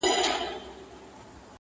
هغه اکثره وخت يوازې ناسته وي او فکر کوي